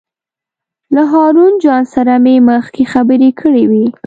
له هارون جان سره مې مخکې خبرې کړې وې.